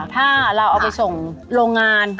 ถ้าเราเอาไปส่งโรงงาน